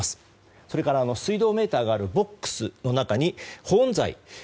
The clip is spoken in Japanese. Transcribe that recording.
それから、水道メーターがあるボックスの中に保温材。